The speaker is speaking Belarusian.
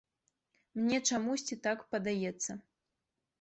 Мне чамусьці так падаецца.